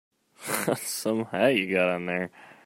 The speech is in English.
That's some hat you got on there.